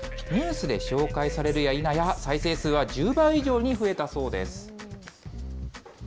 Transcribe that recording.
ニュースで紹介されるやいなや、再生数は１０倍以上に増えたそうです。